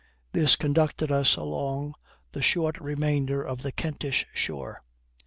This conducted us along the short remainder of the Kentish shore.